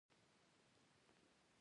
فریدګل غلی و او هېڅ ځواب یې ورنکړ